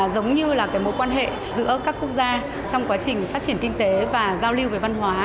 giống như là cái mối quan hệ giữa các quốc gia trong quá trình phát triển kinh tế và giao lưu về văn hóa